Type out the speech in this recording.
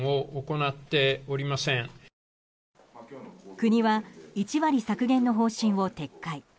国は、１割削減の方針を撤回。